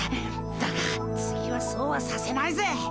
だが次はそうはさせないぜ！